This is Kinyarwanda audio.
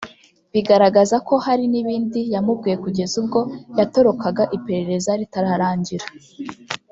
bigaragaza ko hari n’ibindi yamubwiye kugeza ubwo yatorokaga iperereza ritararangira